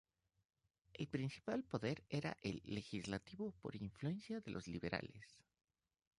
El principal poder era el legislativo, por influencia de los Liberales.